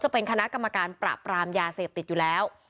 เป็นคณะกรรมการปราบปรามยาเสพติดอยู่แล้ว